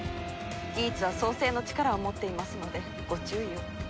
ギーツは創世の力を持っていますのでご注意を。